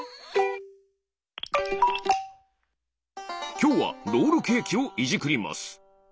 きょうはロールケーキをいじくります。